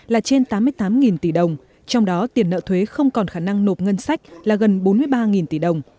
là trên tám mươi tám tỷ đồng trong đó tiền nợ thuế không còn khả năng nộp ngân sách là gần bốn mươi ba tỷ đồng